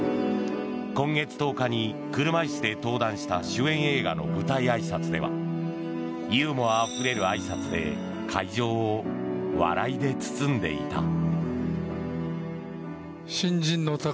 今月１０日に車椅子で登壇した主演映画の舞台あいさつではユーモアあふれるあいさつで会場を笑いで包んでいた。